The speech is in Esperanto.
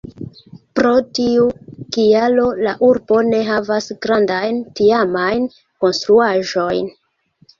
Pro tiu kialo la urbo ne havas grandajn tiamajn konstruaĵojn.